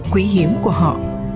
quý hiếm của họ